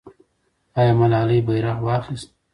آیا ملالۍ بیرغ واخیست؟